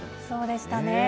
そうでしたね。